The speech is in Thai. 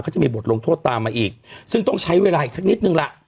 เขาจะมีบทลงโทษตามมาอีกซึ่งต้องใช้เวลาอีกสักนิดนึงล่ะ